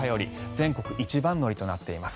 全国一番乗りとなっています。